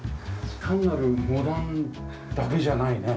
単なるモダンだけじゃないね。